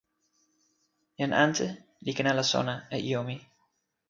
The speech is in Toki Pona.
jan ante li ken ala sona e ijo mi.